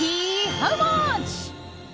ハウマッチ。